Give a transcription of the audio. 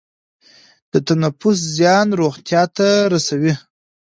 د تنفس زیان روغتیا ته رسوي.